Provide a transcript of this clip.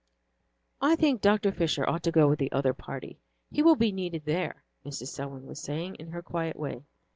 "I think Dr. Fisher ought to go with the other party; he will be needed there," Mrs. Selwyn was saying, in her quiet way.